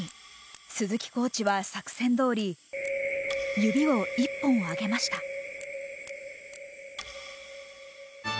鈴木コーチは作戦どおり指を１本上げました。